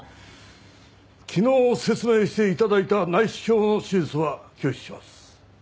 昨日説明していただいた内視鏡の手術は拒否します。